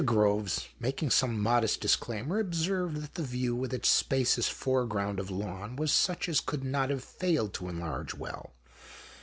Groves, making some modest dis claimer, observed that the view, with its spacious foreground of lawn, was such as could not have failed to enlarge well.